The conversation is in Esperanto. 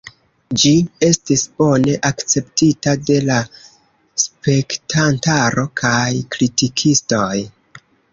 Ĝi estis bone akceptita de la spektantaro kaj kritikistoj.